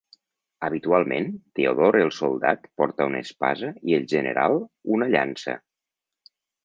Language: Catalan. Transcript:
Habitualment, Teodor el Soldat porta una espasa i el General una llança.